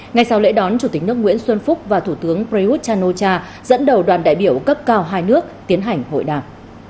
ngay sau lễ đón chủ tịch nước nguyễn xuân phúc và thủ tướng prayuth chan o cha dẫn đầu đoàn đại biểu cấp cao hai nước tiến hành hội đàm